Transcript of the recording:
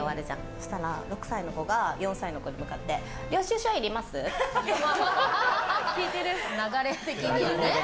そしたら、６歳の子が４歳の子に向かって流れ的にはね。